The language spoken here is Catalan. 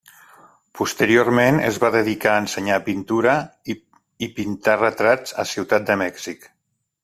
Posteriorment es va dedicar a ensenyar pintura i pintar retrats a Ciutat de Mèxic.